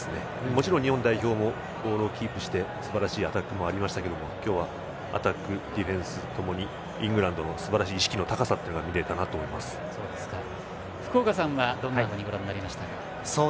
もちろん日本代表もボールをキープしてすばらしいアタックもありましたけど今日はアタックディフェンスともにイングランドのすばらしい意識の高さが福岡さんはどんなふうにご覧になりましたか。